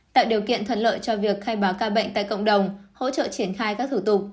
tạo điều kiện thuận lợi cho việc khai báo ca bệnh tại cộng đồng hỗ trợ triển khai các thủ tục